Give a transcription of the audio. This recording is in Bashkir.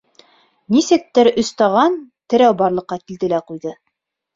Нисектер, өс таған-терәү барлыҡҡа килде лә ҡуйҙы.